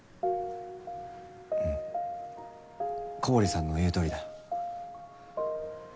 うん古堀さんの言うとおりだ。